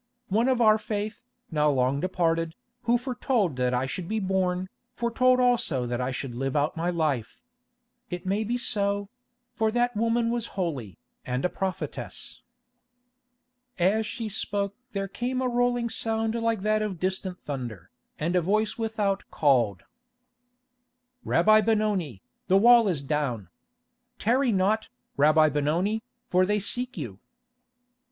One of our faith, now long departed, who foretold that I should be born, foretold also that I should live out my life. It may be so—for that woman was holy, and a prophetess." As she spoke there came a rolling sound like that of distant thunder, and a voice without called: "Rabbi Benoni, the wall is down. Tarry not, Rabbi Benoni, for they seek you."